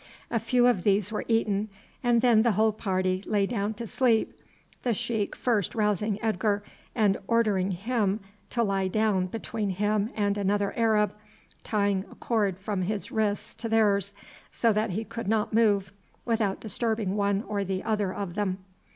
A few of these were eaten, and then the whole party lay down to sleep, the sheik first rousing Edgar, and ordering him to lie down between him and another Arab, tying a cord from his wrists to theirs, so that he could not move without disturbing one or other of them.